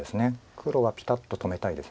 黒はピタッと止めたいです。